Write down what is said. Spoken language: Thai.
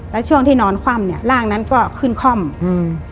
แล้วช่วงที่นอนคว่ำเนี้ยร่างนั้นก็ขึ้นค่อมอืม